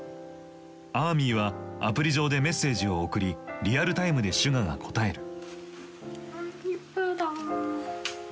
アーミーはアプリ上でメッセージを送りリアルタイムでＳＵＧＡが答える。